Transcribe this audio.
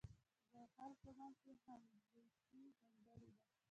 د خلکو منځ کې همزیستي ځانګړې ده.